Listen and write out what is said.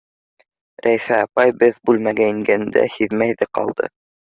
Рәйфә апай беҙ бүлмәгә ингәнде һиҙмәй ҙә ҡалды.